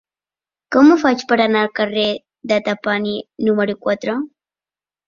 Com ho faig per anar al carrer de Trapani número quatre?